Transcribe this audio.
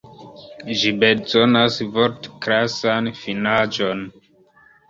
Ĝi bezonas vortklasan finaĵon.